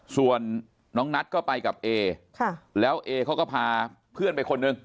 ส่วนน้องนัทก็ไปกับเอแล้วเอเขาก็พาเพื่อนไปคนหนึ่ง